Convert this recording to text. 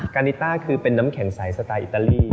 การิต้าคือเป็นน้ำแข็งใสสไตล์อิตาลี